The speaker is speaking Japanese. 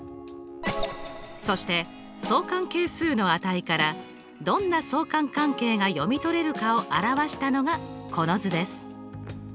そして相関係数の値からどんな相関関係が読み取れるかを表したのがこの図です。